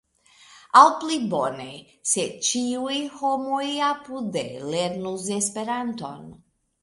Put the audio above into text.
Aŭ pli bone: se ĉiuj homoj apude lernus Esperanton!